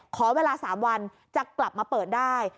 ขอเวลา๓วันจะกลับมาเปิดได้